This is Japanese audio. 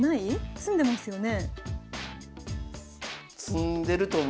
詰んでますよね？